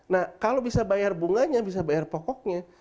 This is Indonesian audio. nah kalau bisa bayar bunganya bisa bayar pokoknya